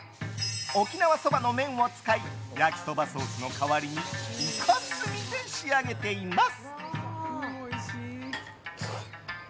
沖縄そばの麺を使い焼きそばソースの代わりにイカ墨で仕上げています。